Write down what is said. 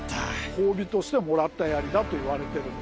褒美としてもらったやりだといわれてるんですね。